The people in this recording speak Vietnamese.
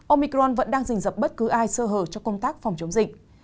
omicron vẫn đang dình dập bất cứ ai sơ hờ cho công tác phòng chống dịch